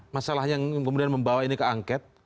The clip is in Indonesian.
masalah yang kemudian membawa ini ke angket